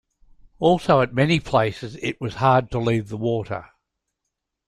Also, at many places it was hard to leave the water.